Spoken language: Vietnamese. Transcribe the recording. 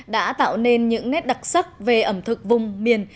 đã tạo nên những nét đặc sắc về ẩm thực vùng miền